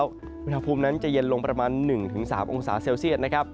วนภูมินั้นจะเย็นลงประมาณ๑๓องศาเซลเซียส